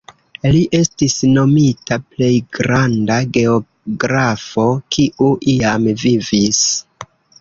Li estis nomita plej granda geografo kiu iam vivis.